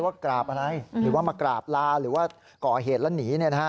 กราบอะไรหรือว่ามากราบลาหรือว่าก่อเหตุแล้วหนี